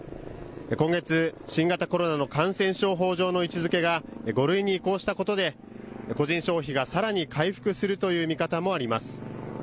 今月、新型コロナの感染症法上の位置づけが５類に移行したことで個人消費がさらに回復するという見方もあります。